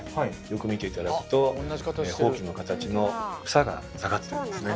よく見て頂くとほうきの形の房が下がってるんですね。